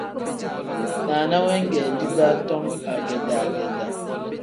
Naana weegedi daa tom agedaa-gedaa.